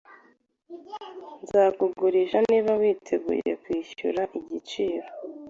Nzakugurisha niba witeguye kwishyura igiciro